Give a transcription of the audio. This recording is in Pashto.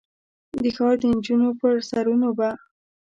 د ښار د نجونو پر سرونو به ،